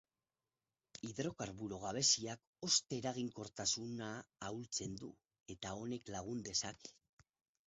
Hidrokarburo gabeziak hozte eraginkortasuna ahultzen du, eta honek lagun dezake.